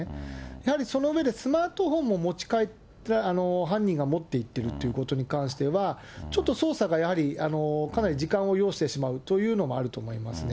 やはりその上でスマートフォンも犯人が持っていってるということに関しては、ちょっと捜査がやはり、かなり時間を要してしまうというのもあると思いますね。